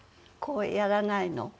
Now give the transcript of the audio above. こうやらないの？